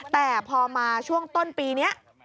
แต่พอมาช่วงต้นปีนี้